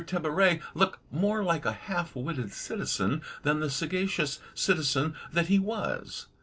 Tabaret look more like a half witted citizen than the sagacious citizen that he was.